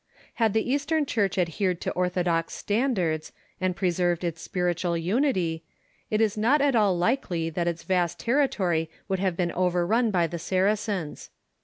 Had the Eastern Church adhered to orthodox standards, and preserved its spiritual unity, it is not at all likely that its vast territory would have been overrun by the Saracens.